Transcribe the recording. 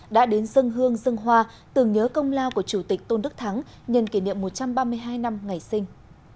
đã đến dân hương dân hoa tưởng nhớ công lao của chủ tịch tôn đức thắng nhận kỷ niệm một trăm ba mươi hai năm ngày sinh